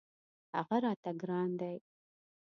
هغه راته ګران دی.